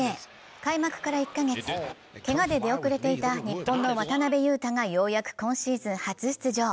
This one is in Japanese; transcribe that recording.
開幕から１カ月、けがで出遅れていた日本の渡邊雄太がようやく今シーズン初出場。